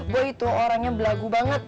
gue itu orangnya belagu banget